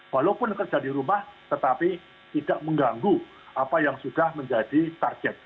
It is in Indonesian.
walaupun kerja di rumah tetapi tidak mengganggu apa yang sudah menjadi target